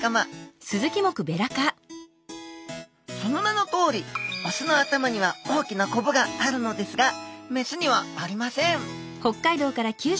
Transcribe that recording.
その名のとおりオスの頭には大きなコブがあるのですがメスにはありません